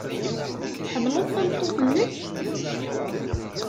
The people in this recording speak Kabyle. Tḥemmleḍ tameṭṭut-nnek?